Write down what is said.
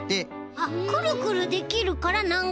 あっくるくるできるからなんかいでも。